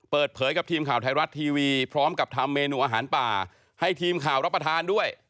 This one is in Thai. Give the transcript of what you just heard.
เปิดเผยกับทีมข่าวไทยรัฐทีวีพร้อมกับทำเมนูอาหารป่าให้ทีมข่าวรับประทานด้วย